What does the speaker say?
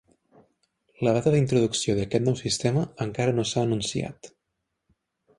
La data d'introducció d'aquest nou sistema encara no s'ha anunciat.